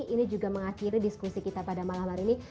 ini juga mengakhiri diskusi kita pada malam hari ini